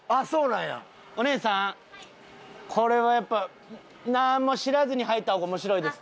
これはやっぱなんも知らずに入った方が面白いですか？